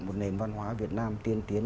một nền văn hóa việt nam tiên tiến